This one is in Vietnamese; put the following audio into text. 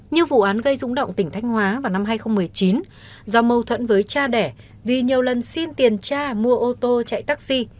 như vụ án gây rúng động tỉnh thanh hóa vào năm hai nghìn một mươi chín do mâu thuẫn với cha đẻ vì nhiều lần xin tiền cha mua ô tô chạy taxi